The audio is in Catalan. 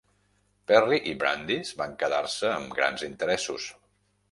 Perry y Brandeis van quedar-se amb grans interessos.